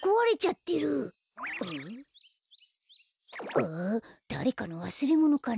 あだれかのわすれものかな？